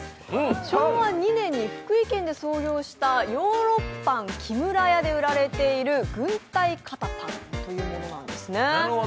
昭和２年に福井県で創業したヨーロッパンキムラヤで売られている軍隊堅麺麭というものなんですね。